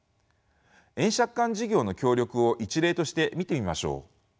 円借款事業の協力を一例として見てみましょう。